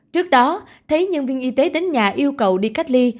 trước đó thấy nhân viên y tế đến nhà yêu cầu đi cách ly